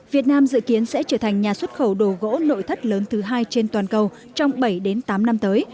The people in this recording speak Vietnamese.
việt nam dự kiến sẽ trở thành nhà xuất khẩu đồ gỗ nội thất lớn thứ hai trên toàn cầu trong bảy tám năm tới